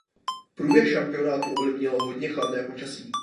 Průběh šampionátu ovlivnilo hodně chladné počasí.